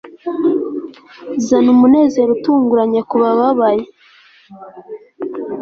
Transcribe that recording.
zana umunezero utunguranye kubababaye